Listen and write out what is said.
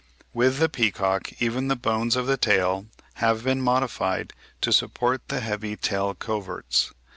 With the peacock even the bones of the tail have been modified to support the heavy tail coverts.